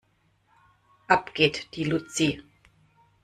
Ab geht die Luzi.